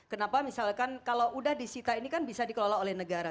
kenapa misalkan kalau sudah disita ini kan bisa dikelola oleh negara